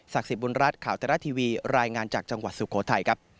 สิทธิบุญรัฐข่าวไทยรัฐทีวีรายงานจากจังหวัดสุโขทัยครับ